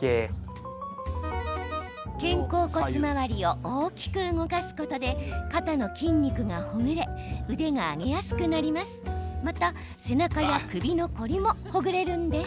肩甲骨周りを大きく動かすことで肩の筋肉がほぐれ腕が上げやすくなります。